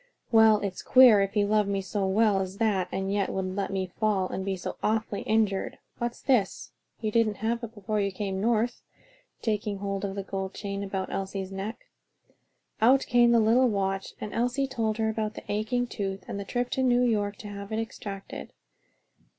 "Well, it's queer if he loved me so well as that, and yet would let me fall and be so awfully injured. What's this? You didn't have it before you came North," taking hold of the gold chain about Elsie's neck. Out came the little watch and Elsie told about the aching tooth and the trip to New York to have it extracted.